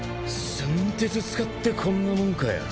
寸鉄使ってこんなもんかよ。